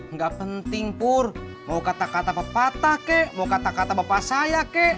nggak penting pur mau kata kata pepatah kek mau kata kata bapak saya kek